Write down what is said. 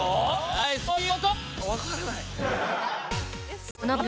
はいそういうこと！